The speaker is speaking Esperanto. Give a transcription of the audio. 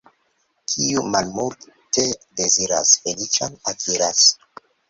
Kiu malmulte deziras, feliĉon akiras.